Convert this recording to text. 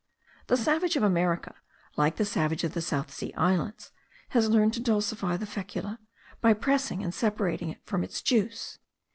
The savage of America, like the savage of the South Sea islands, has learned to dulcify the fecula, by pressing and separating it from its juice.